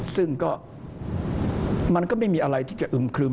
ซึ่งก็มันก็ไม่มีอะไรที่จะอึมครึม